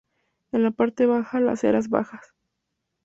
En la parte baja las eras bajas.